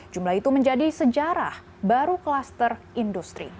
jumlah itu menjadi sejarah baru kluster industri